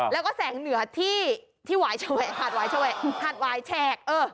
แล้วก็แสงเหนือที่วายหาดวายแฉก